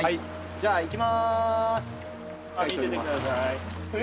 じゃあいきます。